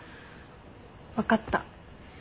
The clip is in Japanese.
分かった。